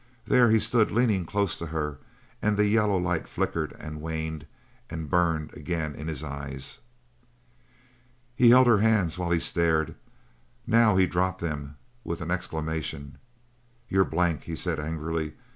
There he stood leaning close to her, and the yellow light flickered and waned and burned again in his eyes. He had held her hands while he stared. Now he dropped them with an exclamation. "You're blank," he said angrily.